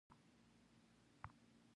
افغانستان کې د بامیان د پرمختګ هڅې روانې دي.